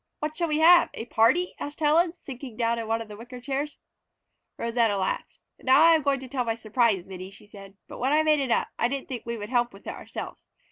"What shall we have? A party?" asked Helen, sinking down in one of the wicker chairs. Rosanna laughed. "Now I am going to tell my surprise, Minnie," she said. "But when I made it up I didn't think we would help with it ourselves.